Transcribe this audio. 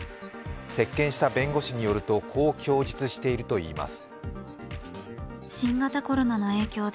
接見した弁護士によるとこう供述しているといいます。